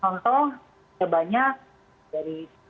contoh sebanyak dari